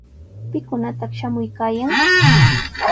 ¿Pikunataq shamuykaayan?